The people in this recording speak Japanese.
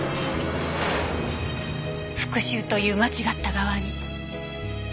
復讐という間違った側に。